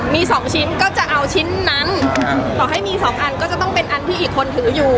มีสองชิ้นก็จะเอาชิ้นนั้นต่อให้มีสองอันก็จะต้องเป็นอันที่อีกคนถืออยู่